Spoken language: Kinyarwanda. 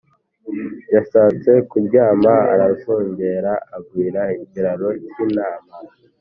yashatse kuryama arazungera agwira ikiraro k’intama